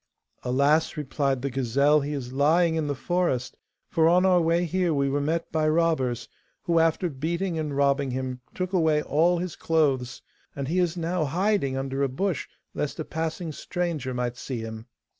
'Alas!' replied the gazelle, 'he is lying in the forest, for on our way here we were met by robbers, who, after beating and robbing him, took away all his clothes. And he is now hiding under a bush, lest a passing stranger might see him.